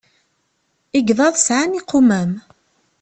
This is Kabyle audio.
Igḍaḍ sɛan iqumam.